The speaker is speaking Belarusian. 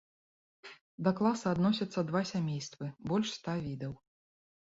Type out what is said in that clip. Да класа адносяцца два сямействы, больш ста відаў.